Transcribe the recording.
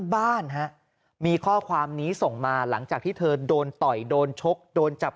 บ้านฮะมีข้อความนี้ส่งมาหลังจากที่เธอโดนต่อยโดนชกโดนจับ